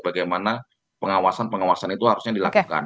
bagaimana pengawasan pengawasan itu harusnya dilakukan